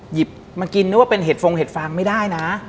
หยิบมากินนึกว่าเป็นเห็ดฟงเห็ดฟางไม่ได้นะ